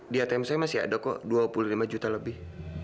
di atm saya masih ada kok dua puluh lima juta lebih